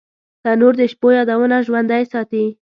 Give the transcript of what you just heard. تنور د شپو یادونه ژوندۍ ساتي